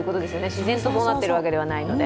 自然とそうなってるわけではないので。